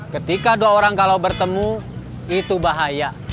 ketika dua orang kalau bertemu itu bahaya